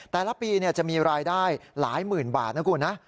แต่ละปีจะมีรายได้หลายหมื่นบาทนะคุณนะ